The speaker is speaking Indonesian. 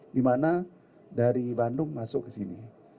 dimana dari bandung masuk ke sini